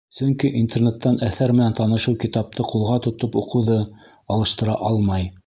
Сөнки Интернеттан әҫәр менән танышыу китапты ҡулға тотоп уҡыуҙы алыштыра алмай.